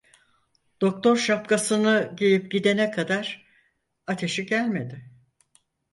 Doktor şapkasını giyip gidene kadar ateşi gelmedi…